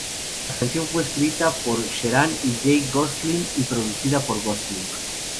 La canción fue escrita por Sheeran y Jake Gosling y producida por Gosling.